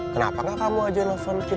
dengan masuk koneksi